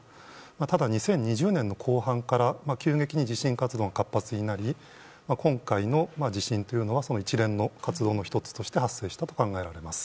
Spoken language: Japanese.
ただ、２０２０年の後半から急激に地震活動が活発になり今回の地震というのは一連の活動の１つとして発生したと考えられます。